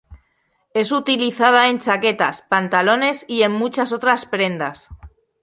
Es utilizada en chaquetas, pantalones y en muchas otras prendas.